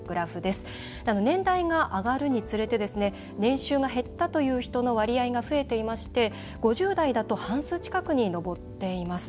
年代が上がるにつれて年収が減ったという人の割合が増えていまして５０代だと半数近くに上っています。